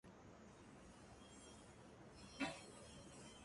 必爭之地